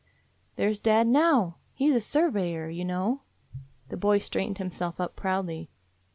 "There 's dad now. He 's a surveyor, you know." The boy straightened himself up proudly.